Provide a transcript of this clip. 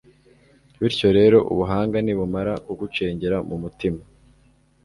bityo rero, ubuhanga nibumara kugucengera mu mutima